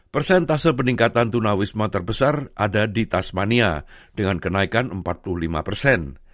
persentase peningkatan tunawisma terbesar ada di tasmania dengan kenaikan empat puluh lima persen